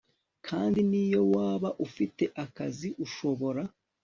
kandi niyo waba ufite akazi, ushobora